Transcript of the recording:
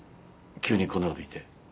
急にこんなこと言って。